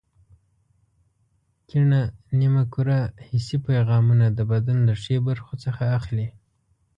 کیڼه نیمه کره حسي پیغامونه د بدن له ښي برخو څخه اخلي.